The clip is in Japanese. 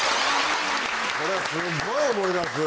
これすっごい思い出す。